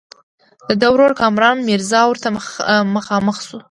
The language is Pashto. د ده ورور کامران میرزا ورته مخامخ شو.